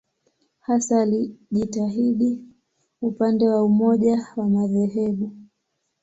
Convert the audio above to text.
Hasa alijitahidi upande wa umoja wa madhehebu.